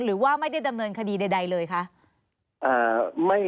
หรือว่าไม่ได้ดำเนินคดีใดเลยคะ